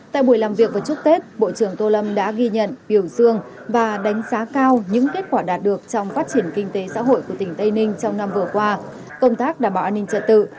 tại buổi làm việc và chúc tết bộ trưởng tô lâm đã ghi nhận biểu dương và đánh giá cao những kết quả đạt được trong phát triển kinh tế xã hội của tỉnh tây ninh trong năm vừa qua công tác đảm bảo an ninh trật tự